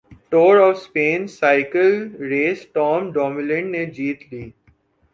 tour of Spain cycle race Tom Dumoulin نے جیت لی